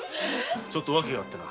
ちょっと訳があってな。